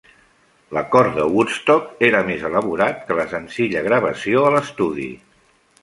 L'acord de Woodstock era més elaborat que la senzilla gravació a l'estudi.